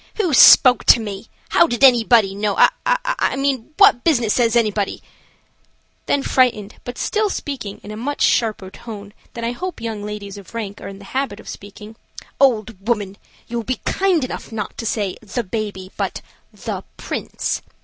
"Who spoke to me? How did anybody know? I mean, what business has anybody " Then frightened, but still speaking in a much sharper tone than I hope young ladies of rank are in the habit of speaking "Old woman, you will be kind enough not to say 'the baby,' but 'the Prince.'